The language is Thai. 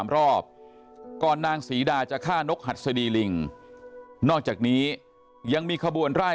รอบก่อนนางศรีดาจะฆ่านกหัดสดีลิงนอกจากนี้ยังมีขบวนไล่